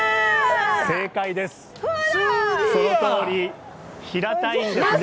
正解です、そのとおり、平たいんですね。